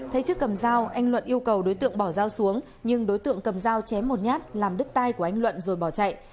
thấy chiếc cầm dao anh luận yêu cầu đối tượng bỏ dao xuống nhưng đối tượng cầm dao chém một nhát làm đức tay của anh luận rồi bỏ chạy